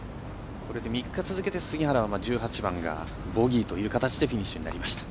これで３日続けて杉原は１８番ボギーという形でフィニッシュになりました。